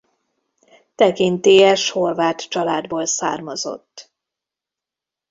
Tekintélyes horvát családból származott.